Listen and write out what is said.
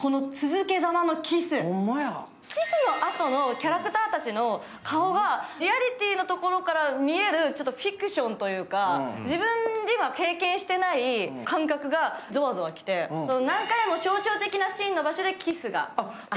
キスのあとのキャラクターたちの顔が、リアリティーのところから見えるフィクションというか、自分には経験していない感覚がゾワゾワきて、何回も象徴的なシーンの場所でキスが。